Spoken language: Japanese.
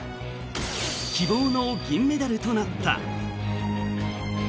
希望の銀メダルとなった。